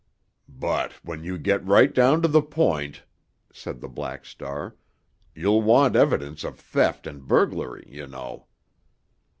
"But, when you get right down to the point," said the Black Star, "you'll want evidence of theft and burglary, you know."